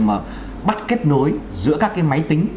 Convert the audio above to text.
mà bắt kết nối giữa các cái máy tính